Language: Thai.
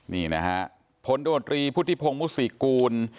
นี่นะฮะผลโดรตรีผู้ที่พงศ์มุษย์กูล